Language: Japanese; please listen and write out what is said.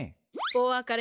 おわかれ？